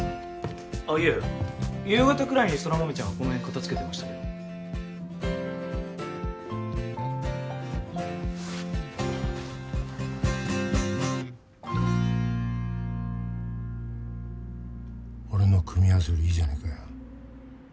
あっいえ夕方くらいに空豆ちゃんがこのへん片づけてましたけど俺の組み合わせよりいいじゃねえかよ